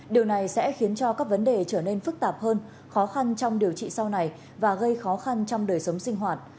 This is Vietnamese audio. điều này sẽ khiến cho các vấn đề trở nên phức tạp hơn khó khăn trong điều trị sau này và gây khó khăn trong đời sống sinh hoạt